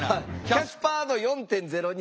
「キャスパー度４．０２」。